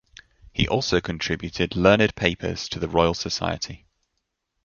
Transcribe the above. He also contributed learned papers to the Royal Society.